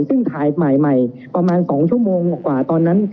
ซึ่งถ่ายใหม่ประมาณ๒ชั่วโมงกว่าตอนนั้น